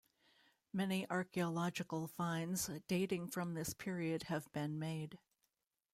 Many archaeological finds dating from this period have been made.